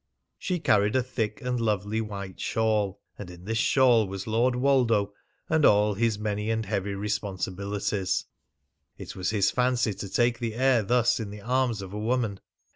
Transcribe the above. She carried a thick and lovely white shawl, and in this shawl was Lord Woldo and all his many and heavy responsibilities. It was his fancy to take the air thus, in the arms of a woman.